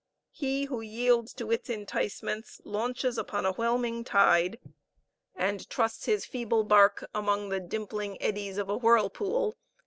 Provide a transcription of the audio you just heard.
He who yields to its enticements launches upon a whelming tide, and trusts his feeble bark among the dimpling eddies of a whirlpool!